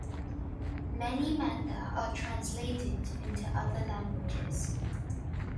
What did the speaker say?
Many manga are translated into other languages.